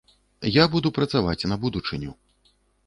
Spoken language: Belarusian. Я буду працаваць на будучыню.